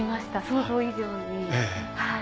想像以上に。